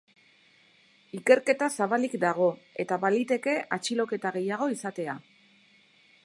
Ikerketa zabalik dago, eta baliteke atxiloketa gehiago izatea.